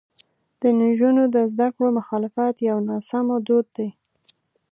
د نجونو د زده کړو مخالفت یو ناسمو دود دی.